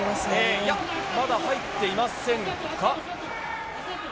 いや、まだ入っていませんか？